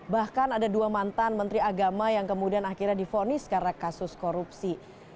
bahkan ada dua mantan menteri agama yang kemudian akhirnya difonis karena kasus korupsi